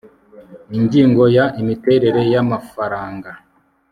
Ingingo ya Imiterere y amafaranga